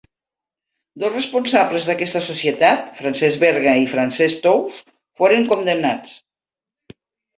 Dos responsables d'aquesta societat, Francesc Berga i Francesc Tous, foren condemnats.